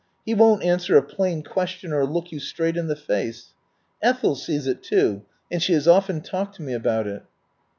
He won't answer a plain question or look you straight in the face. Ethel sees it, too, and she has often talked to me about it."